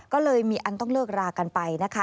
ก็เลยมีอันต้องเลิกรากันไปนะคะ